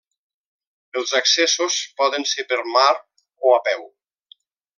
Els accessos poden ser per mar o a peu.